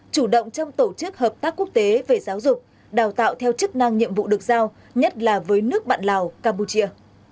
chủ động trong tổ chức hợp tác quốc tế về giáo dục đào tạo theo chức năng nhiệm vụ được giao nhất là với nước bạn lào campuchia